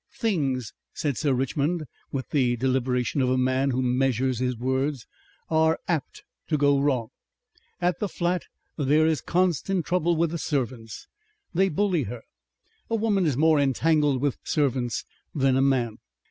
"Things," said Sir Richmond with the deliberation of a man who measures his words, "are apt to go wrong.... At the flat there is constant trouble with the servants; they bully her. A woman is more entangled with servants than a man.